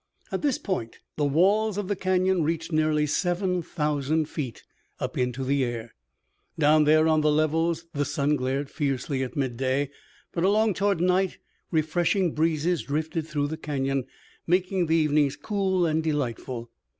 At this point the walls of the Canyon reached nearly seven thousand feet up into the air. Down there on the levels the sun glared fiercely at midday, but along toward night refreshing breezes drifted through the Canyon, making the evenings cool and delightful.